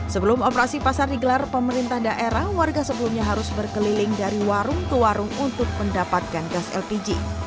sebelum operasi pasar digelar pemerintah daerah warga sebelumnya harus berkeliling dari warung ke warung untuk mendapatkan gas lpg